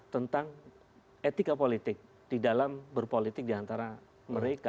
tentang etika politik di dalam berpolitik diantara mereka